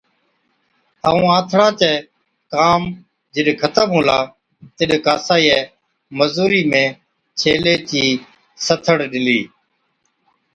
ائُون آنٿڻان چَي ڪام جڏ ختم هُلا، تِڏ ڪاسائِيئَي مزُورِي ۾ ڇيلي چِي سٿڙ ڏِلِي۔